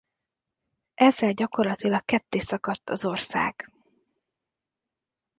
Ezzel gyakorlatilag kettészakadt az ország.